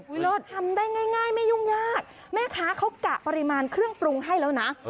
เลิศทำได้ง่ายไม่ยุ่งยากแม่ค้าเขากะปริมาณเครื่องปรุงให้แล้วนะ